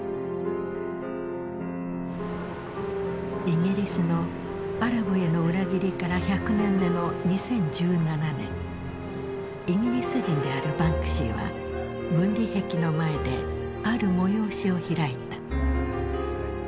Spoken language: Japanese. イギリスのアラブへの裏切りから１００年目の２０１７年イギリス人であるバンクシーは分離壁の前である催しを開いた。